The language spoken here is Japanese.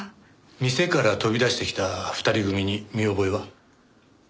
店から飛び出してきた二人組に見覚えは？